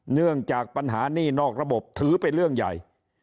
เนื่องจากปัญหานี่นอกระบบถือเป็นเรื่องใหญ่